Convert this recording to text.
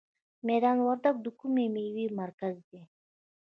میدان وردګ د کومې میوې مرکز دی؟